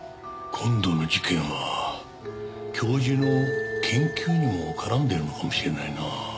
今度の事件は教授の研究にも絡んでいるのかもしれないな。